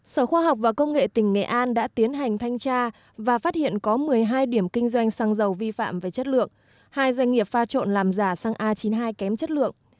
sở khoa học và công nghệ tỉnh nghệ an đã tiến hành thanh tra và phát hiện có một mươi hai điểm kinh doanh xăng dầu vi phạm về chất lượng hai doanh nghiệp pha trộn làm giả xăng a chín mươi hai kém chất lượng